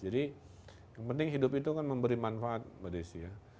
jadi yang penting hidup itu kan memberi manfaat pada desa ya